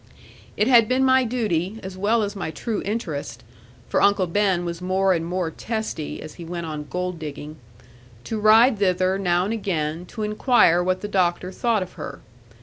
It had been my duty, as well as my true interest (for Uncle Ben was more and more testy, as he went on gold digging), to ride thither, now and again, to inquire what the doctor thought of her.